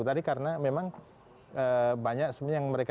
tadi karena memang banyak sebenarnya yang mereka